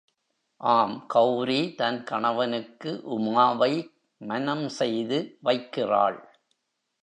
ஆம் கெளரி தன் கணவனுக்கு உமாவை மனம் செய்து வைக்கிறாள்.